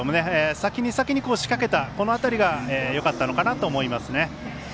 先に先に仕掛けたこの辺りが、よかったかなと思いますね。